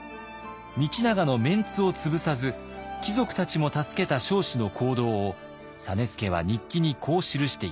道長のメンツを潰さず貴族たちも助けた彰子の行動を実資は日記にこう記しています。